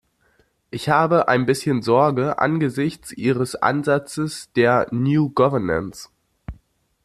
Ich habe ein bisschen Sorge angesichts Ihres Ansatzes der new governance.